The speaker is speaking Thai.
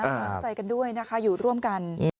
กำลังใจกันด้วยนะคะอยู่ร่วมกัน